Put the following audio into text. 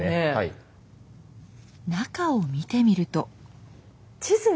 中を見てみると。